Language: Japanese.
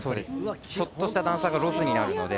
ちょっとした段差がロスになるので。